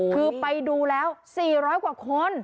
คือไปดูแล้ว๔๐๐กว่าคน